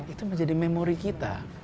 itu menjadi memori kita